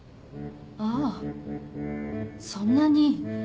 あそんなに。